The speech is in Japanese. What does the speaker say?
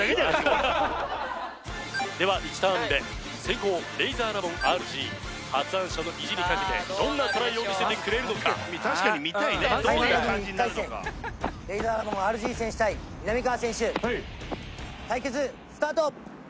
これでは１ターン目先攻レイザーラモンＲＧ発案者の意地にかけてどんなトライを見せてくれるのか確かに見たいねタイマンラグビー１回戦レイザーラモンＲＧ選手対みなみかわ選手対決スタート！